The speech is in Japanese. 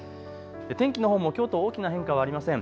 天気のほうもきょうと大きな変化はありません。